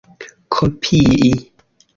kopii